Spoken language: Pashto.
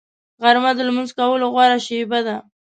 غرمه د لمونځ کولو غوره شېبه ده